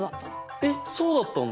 えっそうだったんだ。